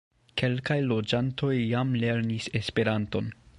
Kelkaj loĝantoj jam lernis Esperanton.